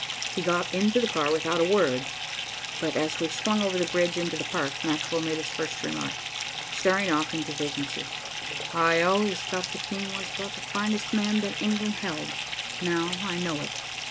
He got into the car without a word, but as we swung over the bridge into the Park, Maxwell made his first remark, staring off into vacancy, "I always thought the King was about the finest man that England held. Now I know it."